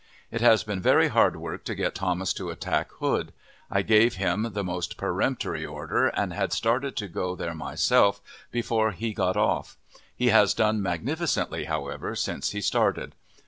It has been very hard work to get Thomas to attack Hood. I gave him the most peremptory order, and had started to go there myself, before he got off. He has done magnificently, however, since he started.